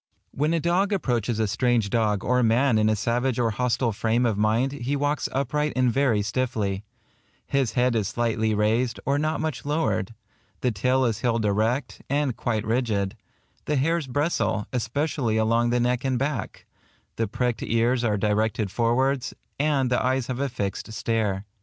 7 When a dog approaches a strange dog or man in a savage or hostile frame of mind be walks upright and very stiffly; his head is slightly raised, or not much lowered; the tail is held erect, and quite rigid; the hairs bristle, especially along the neck and back; the pricked ears are directed forwards, and the eyes have a fixed stare: (see figs.